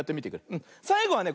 さいごはね